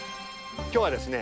今日はですね